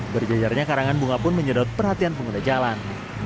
berjejarnya karangan bunga pun menyedot perhatian pengguna jalan